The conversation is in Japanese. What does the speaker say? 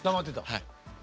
はい。